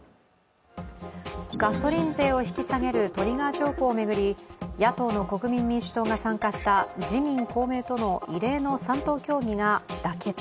ガソリン税を引き下げるトリガー条項を巡り野党の国民民主党が参加した自民・公明との異例の３党協議が妥結。